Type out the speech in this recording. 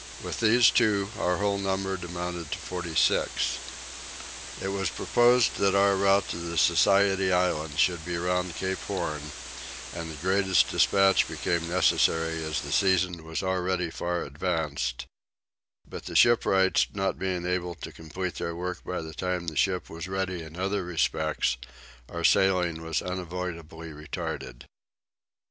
With these two our whole number amounted to forty six. It was proposed that our route to the Society Islands should be round Cape Horn; and the greatest dispatch became necessary as the season was already far advanced: but the shipwrights not being able to complete their work by the time the ship was ready in other respects, our sailing was unavoidably retarded.